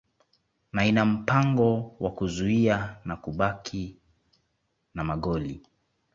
na ina mpango wa kuzuia na kubaki na magoli